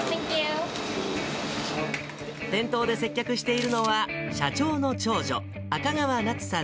店頭で接客しているのは、社長の長女、赤川なつさん